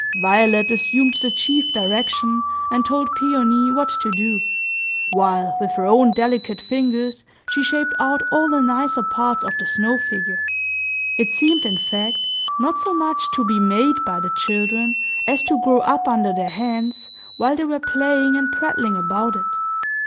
Violet assumed the chief direction, and told Peony what to do, while, with her own delicate fingers, she shaped out all the nicer parts of the snow figure. It seemed, in fact, not so much to be made by the children, as to grow up under their hands, while they were playing and prattling about it.